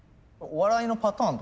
お笑いのパターン？